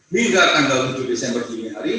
hingga tanggal tujuh desember